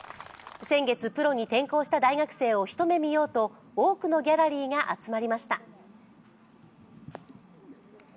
先月プロに転向した大学生を一目見ようと多くのギャラリーが集まりました。